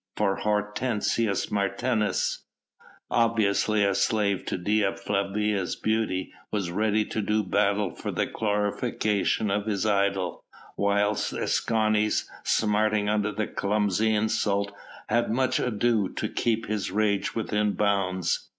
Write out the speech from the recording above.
for Hortensius Martius, obviously a slave to Dea Flavia's beauty, was ready to do battle for the glorification of his idol, whilst Escanes, smarting under the clumsy insult, had much ado to keep his rage within bounds.